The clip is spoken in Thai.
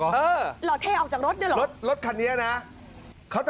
เหรอเทออกจากรถหรอกรถคันนี้นะ